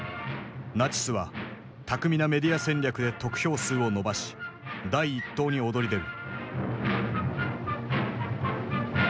ナチスは巧みなメディア戦略で得票数を伸ばし第一党に躍り出る。